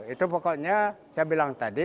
itu pokoknya saya bilang tadi